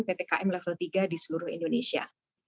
ppkm level tiga di seluruh indonesia